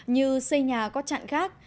như xây nhà có chặn gác